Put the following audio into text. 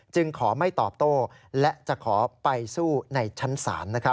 ขอไม่ตอบโต้และจะขอไปสู้ในชั้นศาล